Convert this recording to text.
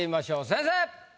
先生！